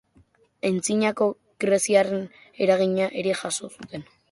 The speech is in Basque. Antzinako greziarren eragina ere jaso zuten.